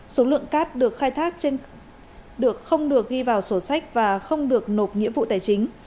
số lượng cát được khai thác không được ghi vào sổ sách và không được nộp nghĩa vụ tài chính